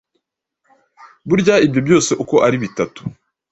burya ibyo byose uko ari bitatu,